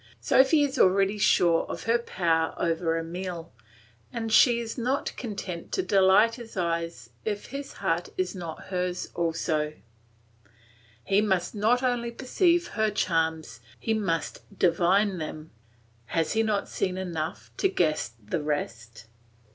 Sophy is already sure of her power over Emile, and she is not content to delight his eyes if his heart is not hers also; he must not only perceive her charms, he must divine them; has he not seen enough to guess the rest?